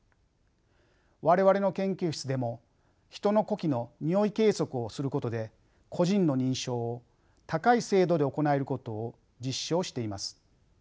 我々の研究室でも人の呼気のにおい計測をすることで個人の認証を高い精度で行えることを実証しています。